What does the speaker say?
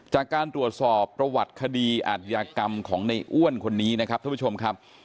จากการตรวจสอบประวัติคดีอาทยากรรมของในอ้วนคนนี้นะครับท่านผู้ชมครับ